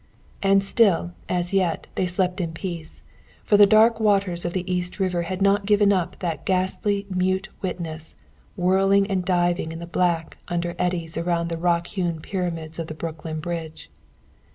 And still, as yet, they slept in peace, for the dark waters of the East River had not given up that ghastly mute witness whirling and diving in the black under eddies around the rock hewn pyramids of the Brooklyn Bridge.